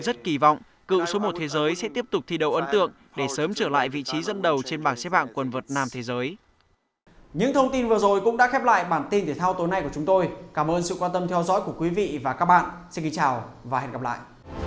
xin kính chào và hẹn gặp lại